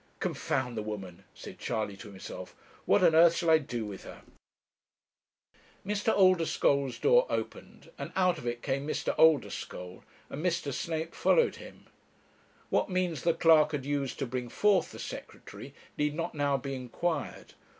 'Confound the woman!' said Charley to himself; 'what on earth shall I do with her?' Mr. Oldeschole's door opened, and out of it came Mr. Oldeschole, and Mr. Snape following him. What means the clerk had used to bring forth the Secretary need not now be inquired.